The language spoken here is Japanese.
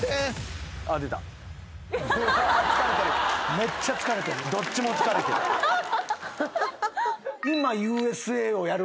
めっちゃ疲れてる。